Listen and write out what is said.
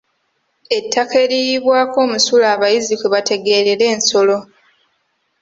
Ettaka eriyiibwako omusulo abayizzi kwe bategeerera ensolo.